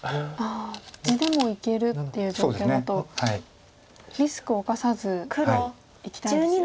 地でもいけるっていう状況だとリスクを冒さずいきたいですよね。